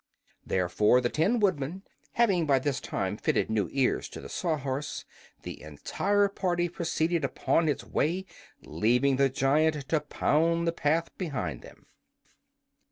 Therefore, the Tin Woodman having by this time fitted new ears to the Sawhorse, the entire party proceeded upon its way, leaving the giant to pound the path behind them.